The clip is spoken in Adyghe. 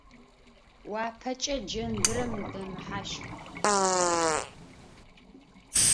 Уапэкӏэ джэндырэм удэмыхьащх.